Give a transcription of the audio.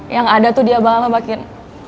yang ada tuh dia bakal ngebakin